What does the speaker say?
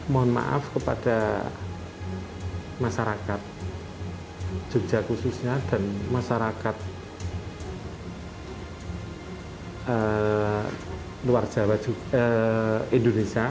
mohon maaf kepada masyarakat jogja khususnya dan masyarakat indonesia